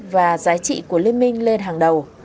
và giá trị của liên minh lên hàng đầu